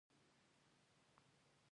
په دې نجلۍ کې کوم داسې عجيب ځواک و؟